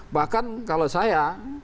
bahkan kalau saya